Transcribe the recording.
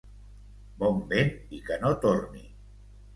Bon vent i que no torni.